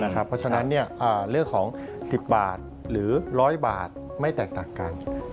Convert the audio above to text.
เพราะฉะนั้นเรื่องของ๑๐บาทหรือ๑๐๐บาทไม่แตกต่างกัน